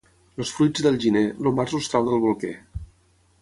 Els fruits del gener, el març els treu del bolquer.